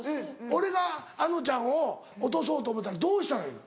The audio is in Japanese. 俺があのちゃんを落とそうと思ったらどうしたらいいの？